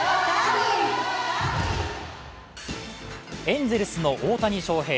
エンゼルスの大谷翔平。